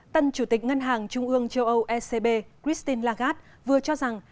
tân chủ tịch ngân hàng trung ương châu âu ecb christine lagarde vừa cho rằng